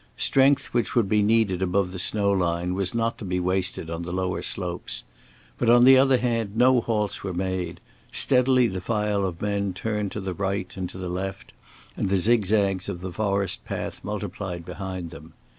Strength which would be needed above the snow line was not to be wasted on the lower slopes. But on the other hand no halts were made; steadily the file of men turned to the right and to the left and the zigzags of the forest path multiplied behind them.